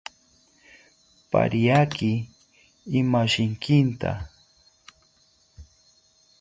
Pariaki imashikinta